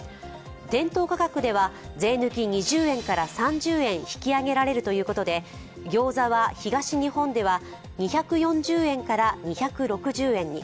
店頭価格では税抜き２０円から３０円引き上げられるということで餃子は東日本では２４０円から２６０円に、